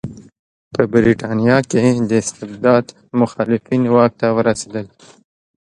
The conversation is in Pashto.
په برېټانیا کې د استبداد مخالفین واک ته ورسېدل.